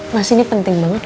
mas ini penting banget